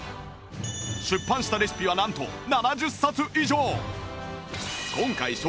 出版したレシピはなんと７０冊以上！